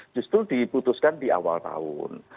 justru diputuskan di awal tahun